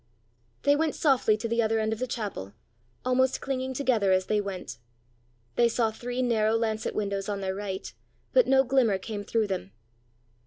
They went softly to the other end of the chapel, almost clinging together as they went. They saw three narrow lancet windows on their right, but no glimmer came through them.